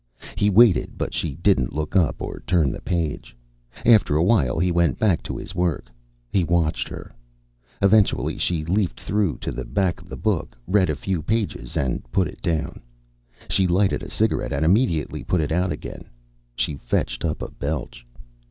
He waited, but she didn't look up or turn the page. After a while, he went back to his work. He watched her. Eventually she leafed through to the back of the book, read a few pages, and put it down. She lighted a cigarette and immediately put it out again. She fetched up a belch.